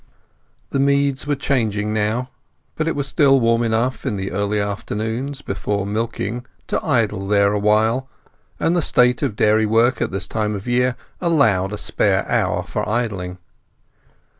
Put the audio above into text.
The meads were changing now; but it was still warm enough in early afternoons before milking to idle there awhile, and the state of dairy work at this time of year allowed a spare hour for idling.